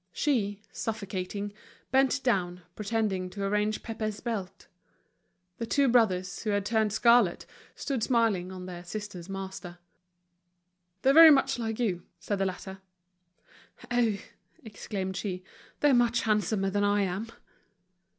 She, suffocating, bent down, pretending to arrange Pépé's belt. The two brothers, who had turned scarlet, stood smiling on their sister's master. "They're very much like you," said the latter. "Oh!" exclaimed she, "they're much handsomer than I am!"